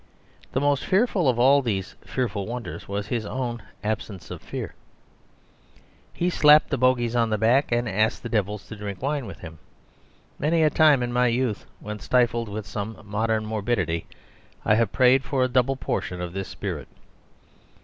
The most fearful of all these fearful wonders was his own absence of fear. He slapped the bogies on the back and asked the devils to drink wine with him; many a time in my youth, when stifled with some modern morbidity, I have prayed for a double portion of his spirit.